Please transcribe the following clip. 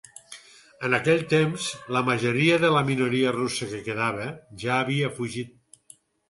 En aquell temps, la majoria de la minoria russa que quedava ja havia fugit.